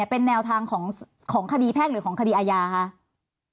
เป็นแนวทางของคดีแพ่งหรือของคดีอาญาคะ